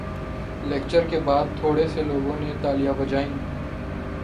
lecture کے بات تھورے سے لوگوں نے تالیاں بجائی